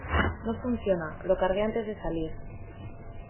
No funciona. Lo cargué antes de salir .